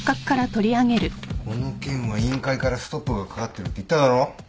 この件は委員会からストップがかかってるって言っただろ。